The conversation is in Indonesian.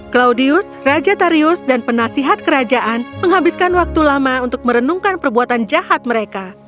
claudius raja tarius dan penasihat kerajaan menghabiskan waktu lama untuk merenungkan perbuatan jahat mereka